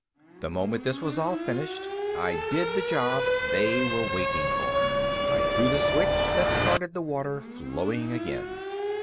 The moment this was all finished, I did the job they were waiting for. I threw the switch that started the water flowing again.